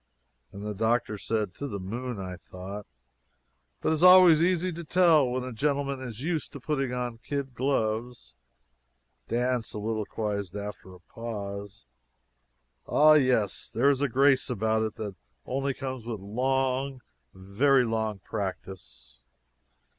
And the doctor said (to the moon, I thought): "But it is always easy to tell when a gentleman is used to putting on kid gloves." Dan soliloquized after a pause: "Ah, yes; there is a grace about it that only comes with long, very long practice."